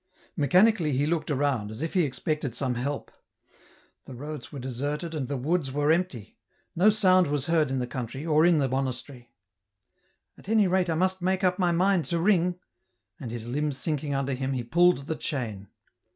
EN ROUTE. 153 Mechanically he looked around, as if he expected some help ; the roads were deserted and the woods were empty ; no sound was heard in the country, or in the monastery, " At any rate I must make up my mind to ring ;" and, his limbs sinking under him, he pulled the chain.